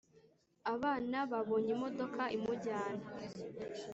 abana babonye imodoka imujyana,